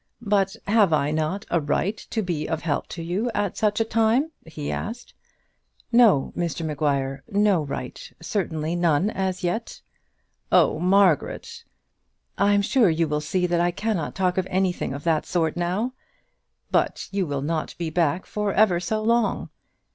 "But have I not a right to be of help to you at such a time?" he asked. "No, Mr Maguire; no right; certainly none as yet." "Oh! Margaret." "I'm sure you will see that I cannot talk of anything of that sort now." "But you will not be back for ever so long."